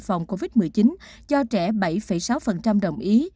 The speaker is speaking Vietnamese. phòng covid một mươi chín cho trẻ bảy sáu đồng ý